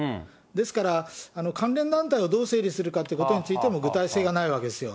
ですから、関連団体をどう整理するかということについても具体性がないわけですよ。